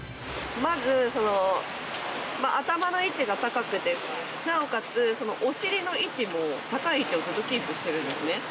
頭の位置が高くてなおかつお尻の位置も高い位置をずっとキープしてるんですね。